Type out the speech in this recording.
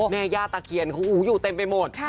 แม่ย่าตะเคียนเขาอยู่เต็มไปหมด